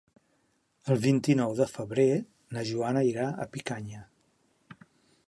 El vint-i-nou de febrer na Joana irà a Picanya.